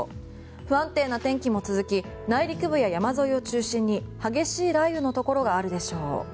不安定な天気も続き内陸部や山沿いを中心に激しい雷雨のところがあるでしょう。